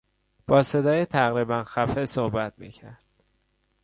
با صدای تقریبا خفه صحبت میکرد.